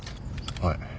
はい。